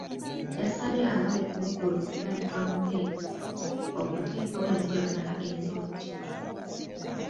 Yasabye abali ku ludda oluvuganya gavumenti, okuteekawo enkolagana ennungi.